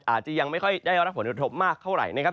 อาจจะยังไม่ค่อยได้รับผลกระทบมากเท่าไหร่นะครับ